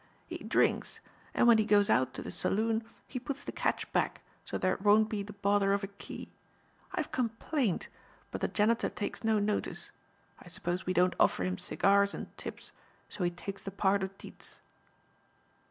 "He drinks, and when he goes out to the saloon, he puts the catch back so there won't be the bother of a key. I have complained but the janitor takes no notice. I suppose we don't offer him cigars and tips, so he takes the part of Dietz."